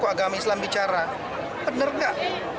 agama islam bicara benar nggak